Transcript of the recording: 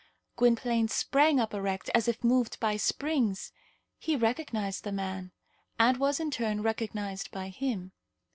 Gwynplaine sprang up erect as if moved by springs. He recognized the man, and was, in turn, recognized by him.